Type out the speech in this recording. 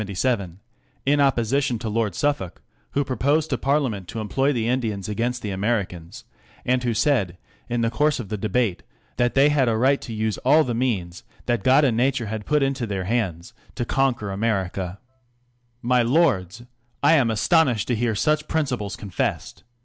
13, 1777, in Opposition TO Lord Suffolk, who proposed to Parlia ment TO employ THE INDIANS AGAINST THE AME RICANS ; AND WHO SAID, IN THE CoURSE OF THE Debate, that " they had a Right to use all THE Means, that God and Nature had put INTO THEIR Hands, to conquer America.'' My Lohds, I AM astonished to hear such principles confessed!